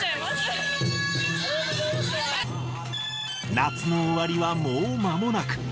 夏の終わりはもうまもなく。